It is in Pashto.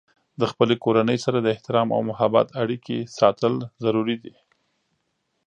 د خپلې کورنۍ سره د احترام او محبت اړیکې ساتل ضروري دي.